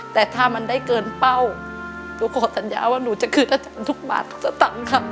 แต่ถ้ามันได้เกินเป้าหนูขอสัญญาว่าหนูจะขึ้นอาจารย์ทุกบาททั้งครับ